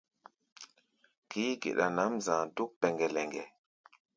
Kií-geɗa nʼǎm za̧a̧ dúk pɛŋgɛ-lɛŋgɛ.